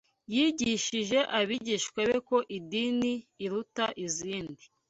Yigishije abigishwa be ko idini iruta izindi